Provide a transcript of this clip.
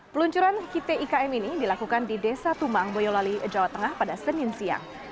peluncuran kitik ikm ini dilakukan di desa tumang boyolali jawa tengah pada senin siang